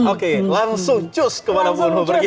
oke langsung cus ke mana pun mau pergi